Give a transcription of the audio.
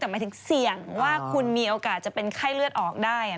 แต่หมายถึงเสี่ยงว่าคุณมีโอกาสจะเป็นไข้เลือดออกได้